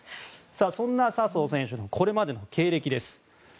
そんな笹生選手のこれまでの経歴です。